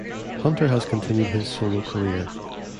Hunter has continued his solo career.